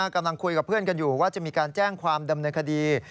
กำลังคุยกับเพื่อนกันอยู่ว่าจะมีการแจ้งความดำเนินคดี